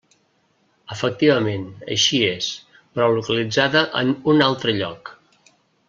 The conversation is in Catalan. Efectivament així és, però localitzada en un altre lloc.